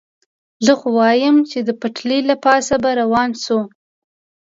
زه خو وایم، چې د پټلۍ له پاسه به روان شو.